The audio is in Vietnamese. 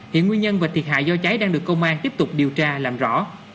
hiện nguyên nhân và thiệt hại do cháy đang được công an tiếp tục điều tra làm rõ